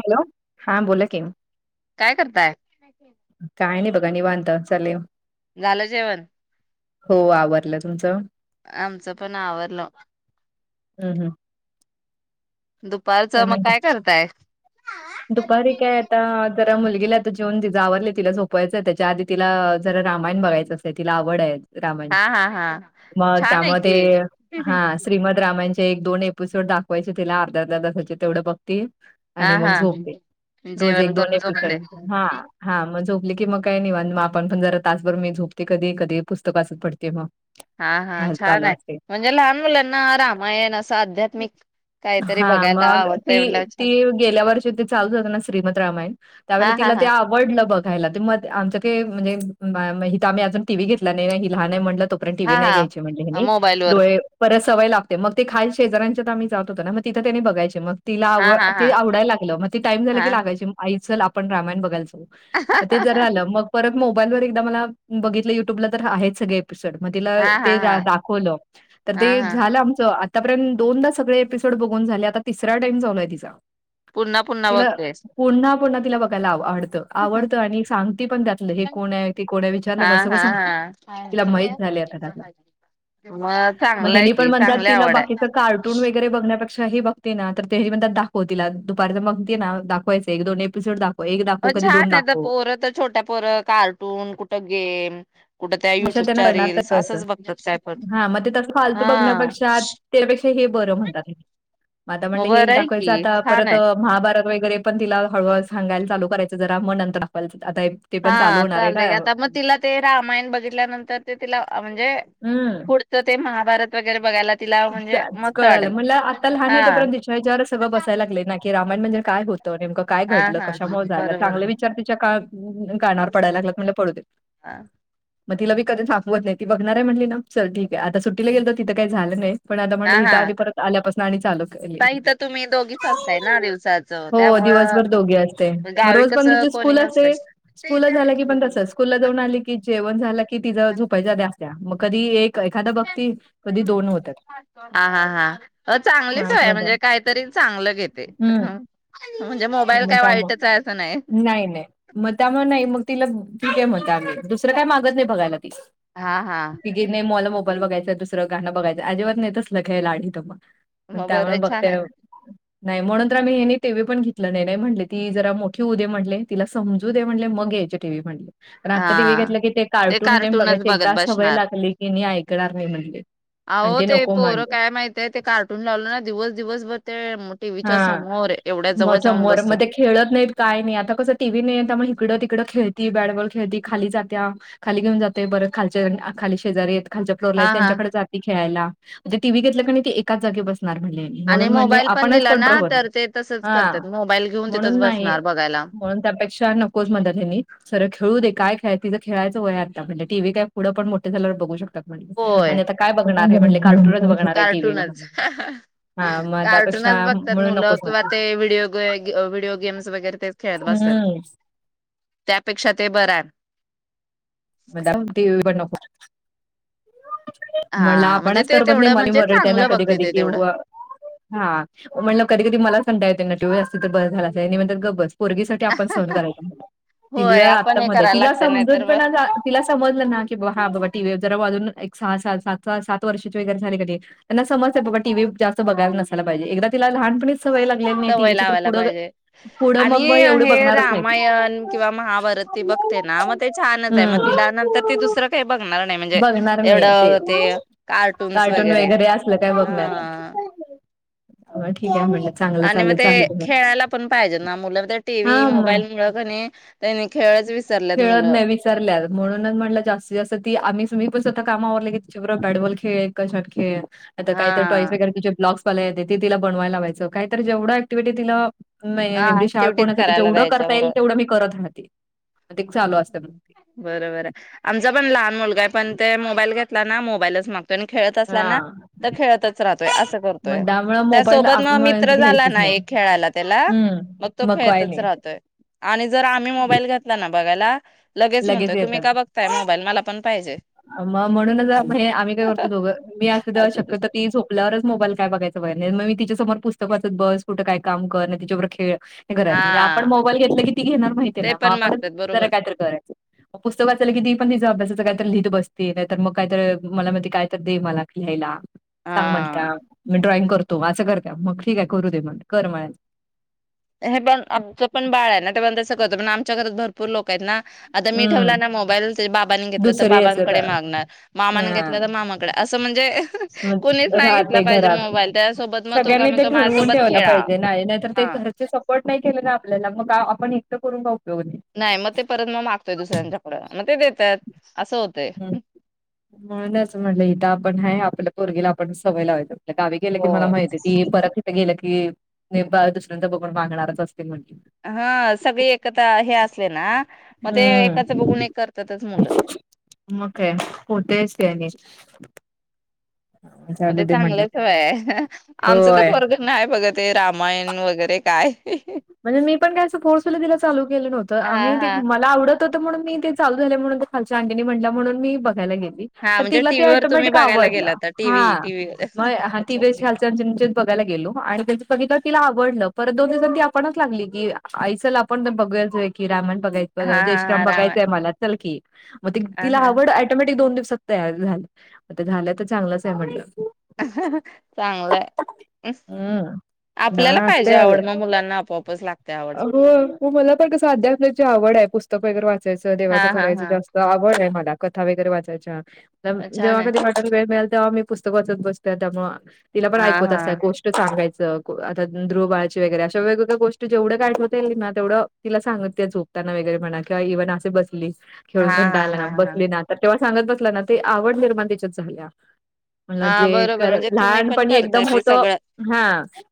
Hello, हा बोला कि. काय करताय? काय नाही बघा निवांत -चाललंय. झालं जेवण? हो, आवरलं तुमचं? आमचं पण आवरलं. हं हं. दुपारच मग काय करताय? दुपारी काय आता जरा मुलगी ला.. तिला आवरलं तिला झोपायचं आहे, त्याच्या आधी तिला जरा रामायण बघायचं असतं तिला आवड आहे. हा रामांची, हा हा मग छान आहे त्यामुळे ते की. हां श्रीमद् रामांची.. एक दोन एपिसोड दाखवायचे तिला अर्ध्या तासाचे तेवढं बघती - हा आणि मग हा झोप- रोज जेवण एक दोन करून एपिसोड. झोपते. हा- हा -मग झोप- लीकी, मग काय? निवांत मग आपण पण जरा तासभर मी झोपते कधी कधी पुस्तक वाचत पडते मग. हा हा, छान चालू आहे असते म्हणजे लहान मुलांना रामायण असं अध्यात्मिक काहीतरी हां, बघायला मग आवडतंय म्हणल्यावर छान- लावल होत ना फ्री मध्ये रामायण, त्यावेळेला हा हा तिला ते हा आवडलं- बघायला तर मग आमचं ते म्हणजे म इथे आम्ही अजून टीव्ही घेतला नाही ना ती लहान आहे म्हणल्यावर - तोपर्यंत टीव्ही नाही हा घ्यायची म्हटलं मी हा नी मोबाईल वर डोळे परस- सवय लागते मग ते खाल शेजऱ्यांच्या ईथ आम्ही जात होतो ना? मग तिथं त्यांनी बघायचे मग- तिला आव हा हा ती हा आवडायला लागलं मग- टाईम झाला हा की लागायची माग. आई चल आपण रामायण बघायला मग ते तर झालं मग परत मोबाईल वर एकदा मला बघितलं युट्यूबला तर आहेत सगळे. मग तिला हा हा ते हा दाखवलं तर हा ते हा झालं आमच आत्तापर्यंत दोनदा सगळे एपिसोड बघून झाले आता तिसरा टाइम चालू आहे तिचा. पुन्हा पुन्हा तिला बघतेस. पुन्हा पुन्हा तिला बघायला आव आवड आवडत आणि सांगतीपण त्यातलं हे कोण आहे ते कोण आहे हा विचारलं ना सगळं हा सांगती. हा. तिला माहित झाले आता त्यातल. मग मग चांगलंय ह्यांनी पण की म्हणतात चांगली तिला आवड बाकीच आहे. कार्टून वगैरे बघण्यापरी त हि बघते ना तर हे म्हणतात, दाखव तिला दुपारण मग- दाखवायच एक-दोन एपिसोड दाख अ छान आहे तर पोरं तर छोट्या पोरं कार्टून कुठं गेम कुठं त्या अशा त्यांना युट्यूबच्या करणार तर रील्स कसं असंच बघतात काय पण हा मग ते तस फालतू हा. बघण्यापेक्षा त्यापेक्षा हे बरं म्हणतात आता मग म्हणलं हे बरं एक आहे दाखवायचं की आता छान परत आहे महाभारत व- वगैर पण ति हळूहळू सांगायला चालू करायचं जरा मग नंतर आपण- हा चालतंय आता म तिला ते रामायण बघितल्यानंतर ते तिला आवड म्हणजे पुढचं ते महा भारत वगैरे बघायला. तिला म्हणजे मस्त कळाल वाटेल. म्हणलं आता लहान आहे हा. तोपर्यंत तिच्या याच्यावरछ सगळं बसायला लागले ना की रामायण म्हणजे काय होत? नेमकं काय हा घडलं हा कशामुळे झाला बरोबर चांगले विचार तिच्या कान कानावर पडायला लागलेत म्हणलं पडू दे. हा. मग तिला मी की थांबवत नाही. ती बघणार आहे म्हटली ना चल ठीक आहे आता सुट्टी गेलतो तिथे तर काही झालं नाही. पण आता हा म्हणलं हा इथं आली परत आल्यापासून आणि परत चालू करेल ही. ताई तर तुम्ही दोघीच असताय ना दिवसाचं हो त्यामुळं दिवसभर दोघी असताय, मग गावी रोज पण कसं तीची कोणी स्कूल नसतंय असते. स्कूलला झाली का पण तसंच, स्कूलला जाऊन आली की जेवण झालं की तिला झोपायचं असतं मग कधी एक. एखादा बघती कधी दोन होतात. हा हा हा चांगली मग असं सवय म्हणत्या म्हणजे काहीतरी चांगलं घेते. हम्म म्हणजे मोबाईल मग काय वाईटच आहे असं त्यामुळं नाही नाही, मग त्यामुळं नाही मग तिला ठीक आहे म्हणतोय, आम्ही दुसरं कायं मागत नाही बघायला. हा हा ती घेत नाही मला मोबा- -ईल बघायंच दुसरं गाण बघायच अजिबात नाही तसलं काही लाड इथं मग. मोबाईल त्यामुळे रे छान बघते. आहे नाही म्हणून तर आम्ही ह्येनी टीव्ही पण घेत- -ली नाही म्हटले ती जरा मोठी होऊ दे म्हटले तिला समजू दे म्हणले मग घायची टी व्ही म्हणले. पण आत्ता टीव्ही हा घेतलं की ते कार्टून ते कार्टूनच बघायचे बघत एकदा सवय बसणार लागली कीणी ऐ- कणार नाही म्हणले. अहो ते पोरं काय माहिताय ते कार्टून लावलं ना दिवस दिवसभर र ते टीव्हीच्या हा. समोर एवढ्या जवळ मग जाऊन समोर बसतात मग ते खेळत नाहीत काय नाही आता कसं टी व्ही नाही त्यामुळे हिकडं तिकडं खे ती बॅटबॉल खेळती खाली जात्या खाली घेऊन जातोय बरं खालच्या अन् अ खाली शेजारी आहेत. खालच्या फ्लोरला आहे हा हा त्यांच्याकडे जाती. खेळायला मग टीव्ही घेतलं कि ते एकाच जागी बस आणि मोबाईल पण दिला ना तर ते तसंच ह करतात मोबाईल घेऊन तिथंच म्हणून नाही, बसणार बघायला. म्हणून त्यापेक्षा नकोचं म्हणत्यात ह्यांनी सरळ खे ऊ दे काय खेळं तिजं खेळायचं वय आहे आता म्हणजे टी व्ही काय पुढं पण मोठे झाल्यावर बघू शकत्यात. होय बघणार आहे टीव्हीला कार्टूनच म्हणले हा मग त्यापेक्षा कार्टूनच बघतात म्हणून मुलं नकोच किंवा ते म्हणले. व्हिडीओ विडिओ गेम्स वगैरे तेच खेळत बसतात. हम्म त्यापेक्षा ते बरांय. मग त्यांना टी व्ही पण नको. म्हणलं हा म्हणजे आपणच ते करमत नाही तेवढं मधी म्हणजे ओरडते त्यांना चांगलं कधी बघते कधी ते कि तेवढं. व हा म्हणलं कधी कधी मलाच कंटाळा येतोय. टी व्ही असती तर बरं झाल असतं हयांनी म्हणतात गप बस. पोरगीसाठी आपण सहन करायचं. तिला होय आपण आता हे महत्व आहे करायला तिला लागतं नाही तर समजूतपणा मग तिला समजलं ना की हा बाबा टी व्ही जरा वाजून सहा स सात स सात वर्षाचे वगैरे झाले कणी त्यांना समजते बाबा टी व्ही जास्त बघायला नसायला पाहिजे एकदा तिला लहानपणी सवय लावायला पाहिजे पुढं आणि मग एवढे हे बघणारच नाही ती रामायण किंवा महाभारत ती बघते ना मग ते छान मग हम्म तिला नंतर ते दुसरं काही बघणार नाही म्हणजे बघणार नाही एवढं ते कार्टून्स वगैरे हं. व ठीक आहे म्हणलं. चांगलं आणि म चाललंय ते चालू दे मग. खेळायला पण पाहिजे ना मुलं ते हा टीव्ही मग मोबाईल मुळ कनी त्यांनी खेळच विसरलेत खेळत मुलं नाही विसरल्यात म्हणूनच म्हटलं जास्तीत जास्त ती आमी तु मी पण स्वतः काम आवरले की तिच्या बरो बॅटबॉल खेळ कशात खेळ आता हा काही तर पाहिजे कारण तिच्या ब्लाऊस पला येते ती तिला बनवायला लावायचं काहीतरी जेव्हढ ऐक्टिविटी तिला हा नाही [unintelligible] शाळा ऍक्टिव्हटीज कोणासाठी करायला जेवढं द्यायच्या करता बरोबर येईल तेवढं मी करत राहते. मग ते चालू असतं मग. बरोबर आहे आमचा पण लहान मुलगा नाही पण ते मोबाईल घेतला ना मोबाईलच माग त्यानी खेळत असला हा ना तर खेळतच राहतोय असं करतोय मग त्यामुळे मोबाईल त्यासोबत ना मग आपणच मित्र झाला घ्यायचंच ना नाही. एक खेळायला त्याला मग तो हम्म काय खेळतच नाही राहतोय आणि जर आम्ही मोबाईल घेतला ना बघायला- लगेच म्हणतोय तुम्ही का बघताय मोबाईल? मला पण पाहिजे. म म्हणूनच आम्ही, आम्ही काय करतो दोघं ती असते तेव्हा, असं शक्यतो ती झोपल्यावरच मोबाईल काय बघायचं बघाय- हे म मी तिच्यासमोर पुस्तक वाचत बस, कुठं काय काम कर न तिच्याबरोबर खेळ- [unintelligible] म्हणजे आपण हा मोबाईल घेतलं की ती घेणार माहिती आहे ते ना मग पण आपणच मागतात जरा बरोबर कायतरी करायचं. अहो पुस्तक वाचयल घेती पण मी पण तीच अभ्यासाच काय. - लिहित बसते, नाहीतर मग काहीत मला म्हणते काय तर दे मला लिहायला. सांग म्हण हा का [unintelligible] ड्रॉइंग करतो [unintelligible] मग ठीक आहे करू दे म्हण कर म्हणायचं. [unintelligible] आमचं पण बाळ आह [unintelligible] कज पण आमच्या घरात भरपूर लोक आहेत ना आता मी ठेवला हम्म ना मोबाईल त्याच्या बाबांनी घेतला तर दुसरी असतात बाबांकडे मागणार मामाने हां घेतलं तर मामाकडे अस त म्हणजे कोणीच नाही घेतला राहते पाहिजे घरात. मोबाईल त्यासोबत मग तो काय सगळ्यांनी ते म्हणतो ठरवून माझ्यासोबत ठेवायला खेळा पाहिजे नाही नाहीतर ते हा [unintelligible] पोर्ट नाही केलं ना आपल्याला मग काय आपण एकटं पडून राहातोय - नाही मग ते परत मग मागतोय दुसऱ्यांच्याकडं मग ते देतात. असं होतंय हम्म- म्हणूनच म्हटलं इथं आपण हाये आपलं- पोरगीला आपण सवय लावय गावी गेल्या की हो मला माहितीय ती परत - गेलं की नेपाळ दुसऱ्यांदा बघून बांगणार च असतील म्हटली. हा -सगळे एकत्र हे असले ना- मग ते एकाच बघून हम्म- एक करतातच मुलं मग काय? होतयच ते आणि- मग चालू ते दे म्हटलं चांगल्या सवयी आहेत. आमच तर होय पोरग नाही बगत. ते रामायण वगैरे काय. म्हणजे मी पण काय फोर्सली तिला चालू केलं नव्हतं. हा आम्ही ते हा मला आवडत होत. म्हणून मी ते चालू झाले म्हणून ते खालच्या अंटीनी म्हटल्या म्हणून मी बघायला गेले. हा त म्हणजे तीला ते टीव्हीवर तुम्ही ऑटोमॅटिक बघायला गेला आवडलं. होता टीव्ही हं टीव्हीवर - म [unintelligible] अच्छा अच्छा आवडल. परत दोघी दोघी [unintelligible] आपणच लागली की आई चल आपण बघूया कि रामायण. हा बघायचं जय हा श्री राम हा रामा बघायचंय मला. चल की. मग हा तिला हा आवड ऑटोमॅटिक दोन दिवस - - तयार झाल आता झालंच आहे तर चांगलंच आहे म्हटलं. चांगलंय हम्म आपल्याला पाहिजे आवड म मुलांना आपोआप [unintelligible] आहो. हो मला पण कस आध्याय [unintelligible] वाचण्याची आवड आहे. पुस्तक वगैरे वाच - - [unintelligible] हा देवाचं हा करायचं हा जास्त आवड हे मला. कथा वगैरे वाचायच्या. [unintelligible] छान जेव्हा आहे कधी वाटल वेळ मिळेल - - तेव्हा मी पुस्तक वाचत बसत्या त्यामुळे तिला पण हा ऐकवत हा असाय गोष्ट सांगाय च कू आता दंद्रू बाळाची वगैरे अशा वेगवेगळ्या गोष् - - त जेवढं काय एकवता [unintelligible] येईल ना तेवढं तिला सांगते झोपतांना वगैरे म्हणा किंवा इव्हन अस बसली. खेळून हा हा कंटाळा आला हा हा बसलीना तेव्हाच सांगत बसला ना ते आवड निर्माण त्याच्यात झाल्या. म्हणल हा जे बरोबर कर म्हणजे तुम्ही पण लहानपणी करताय एकदम ते होत सगळं हा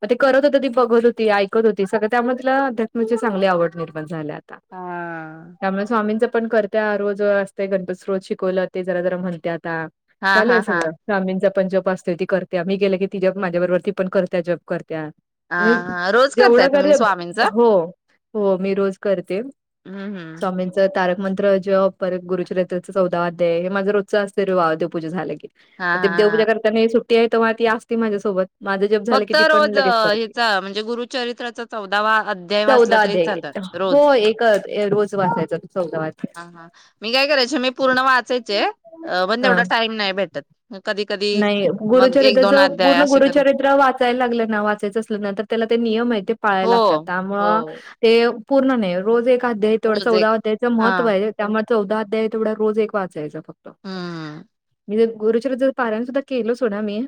मग ते करत होत ती बघत होती ऐैक हो सगळ त्यामधला अध्यात्माची चांगली आवड निर्माण झाल्यात. हा त्यामुळे स्वामींच पण करत्या रोज असते गणपतीस्रोत शिकवलं ते जरा जरा म्हणतात. हा चालू हा आहे हा सगळं स्वामीं जप पण जप असते ती करात्या मी गेले की ती जप माझ्याबरोबर ती पण करत्या जप कर त्या हा अ हा रोज करताय जेवढं कर तुम्ही [unintelligible] स्वामींच हो. हो मी रोज करते. हम्म हम्म स्वामींचं तारक मंत्र जेप परत गुरुचरित्रच चौदा आध्याय हे माझं रोजचा असीर्रवा देव पूजा झालं की. हा म [unintelligible] ग ते हा देवजा हा करता सुट ते तव्हा ती असती माझ्यासोबत. माझं जप झालं की फक्त ती पण रोज अ लगेच करते. हीचा म्हणजे गुरुचरित्राचा चौ तवा अध्याय वाचलं चौदा तरी अध्याय चालत, रोज हो एकच रोज वाचायचा तो चौदावा अध्याय. हा हा मी काय कराचे पूर्ण वाचायचे पण अ तेवढेच टाईम नाही भेटत क नाही गुरुचरित्रच पूर्ण असे कर गुरुचरित्र वाच [unintelligible] चायला लागलं ना वाचायचं असलं ना, त त्याला ते नियम हाय ते पाळायला हो लागत्यात हो त्यामुळे ते. पूर्ण नाही रोज एक. आध्याय तेवढ रोज चौदा एक अध्याय च हा महत्व हे त्यामुळे चौदा अध्याय. तेवढा रोज एक वाचायचं फ फक्त. हम्म [unintelligible] गुरुचरि पारायण सुद्धा केलं सोडा मी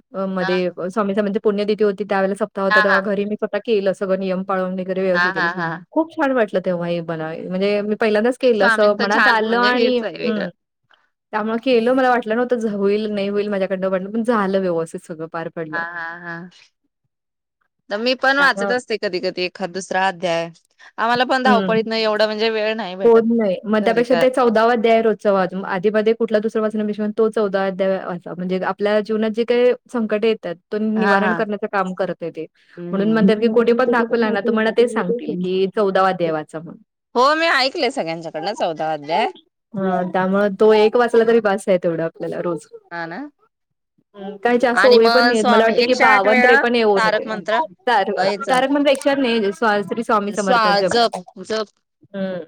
हा मध्ये स्वामीचा म्हणजे पुण्यतिथी हो ती त्यावेला सप्ता होता हा तवा हा घरी मी स्व केल सगं नियम पाळून वगैरे हा व्यवस्थित हा केलं. हा खूप छान वाट तेव्हा [unintelligible] म्हणजे पहिल्यांदाच ते केलं अस, स्वामींच मनात छान आलं म्हणजे आणि हेच आहे वेगळं हम् त्यामुळे केलं. मला वाटलं नव्हतं, झ होईल न होईल. माझ्याकडंन, पण झालं व्यवस्थित सगळ. हा हा हा. तर मी पण वाचत त्यामुळं असते, कधी कधी एखाद दुसरा अध्याय, आम्हाला पण धाव हं. पळीत नाही एवढा म्हणजे वेळ नाही होत भेटत, नाही. मग घरी त्यापेक्षा का ते अध्याय रोजचा वाचून आधीमध्ये [unintelligible] तो चौदावा अध्याय वाच म्हणजे आपल्या जीवनात जे काय संकट येत त्यातून हा निवारण हा करण्याच काम करत ते. म्हणून हम्म म्हणतात की, कोठे पण दाखवला ना तरी तुम्हाला तेच सांगतील कि, चौदावा अध्याय वाचा मनून हो मी ऐकले सगळ्यांच्याकडनं चौदा अध्याय त्यामुळे तो एक वाचला तरी बासय तेवढ. मला रोज हा ना काही जास्त आणि ओवी पण मग नाही मला स्वामी वाटत कि एकशे आठ बावन्र वेळा त्रेपन्न ओवी तारक मंत्र अ [unintelligible] याच तारक मंत्र एकशे आठ वेळा नाही श्री स्वामी स्वा समर्थ जप, जप हम्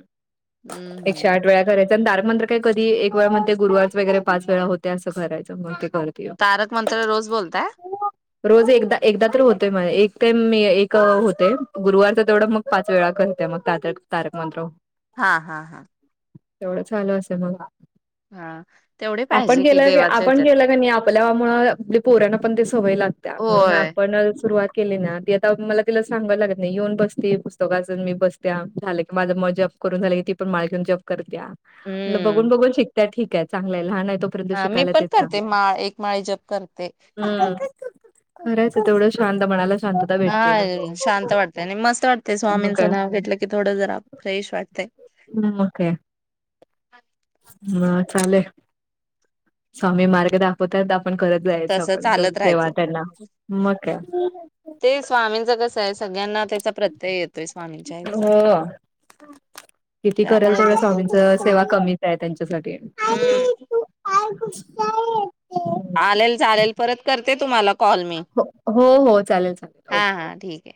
एकशे हम्म आठ वेळा कराय पण तारक मंत्र काय कधी एक वेळा म्हणते गुरुवारच वगैरे पाच वेळा होत असं करायचं. [unintelligible] तारक मंत्र रोज बोलताय [unintelligible] रोज एकदा, एकदा तर होतय माये ए ते मी एक होते, गुरुवारच तेवढं मग पाच वेळा करते मग तातक तारक तारक मंत्र. हा हा हा तेवढं चालू असेल मग, हा तेवढे आपण पाहिजे कि, केलं की देवाच्या आपण ह्याच्यात केलं का नाही आपल्यामुळं, आपली पोऱ्यांना पण ते सवय लागत्या म्हणून होय आपण सुरुवात, केली ना ती आता मला तिला सांगायला लागत नाही. येऊन बसते पुस्तक वाचत, मी बसत्या झालं की माझ मग जप करून झालं की ती पण माळ घेवून जप कर- त्या म्हणलं हम्म बघून बघून शिकत ठीकाय चांगलंय लहानय तोपर्यत शिकायल्याते, ते माळ, एक माळी जप करते. [inaudible] करायच तेवढं शांत मनाला, शांतता भेटते ना. हा शांत वाटतय आणि मस्त वाटतेय मग काय स्वामींचं नाव घेतलं की थोडं जरा फ्रेश वाटतंय. ह मग काय, ह. चालू आहे स्वामी मार्ग दाखवता येत. आपण करत जायचं तस आपण तेव्हडी चालत सेवा राहायचं त्यांना मग काय. ते स्वामींच कसं आहे सगळ्यांना त्याचा प्रत्यय येतोय स्वामींच्या ह्याचा हो किती करेल त्यामुळे तेवढं लोक स्वामींच सेवा कमीच आहे त्यांच्यासाठी. [inaudible] हम्म चालेल चालेल परत करते तुम्हाला कॉल मी. हो हो हो चालेल चालेल हा ओके. हा ठीक आहे.